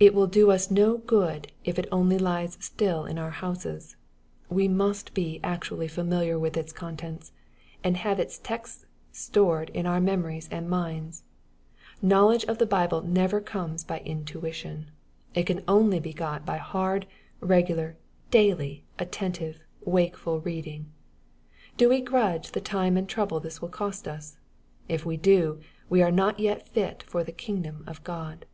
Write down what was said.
It will do us no good, if it only lies still in our houses. We must be actually familiar with its contents, and have its texts stored in our memories and minds. Knowledge of the Bible never comes by intuition. It can only be got by hard, regular, daily^. attentive, wakeful reading. Do we grudge the time and trouble this will cost us ? If we do, we are not ye^ fit for the kingdom of God.